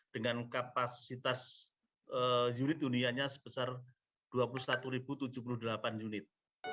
dengan kapasitas unit dunianya sebesar dua puluh satu tujuh puluh delapan unit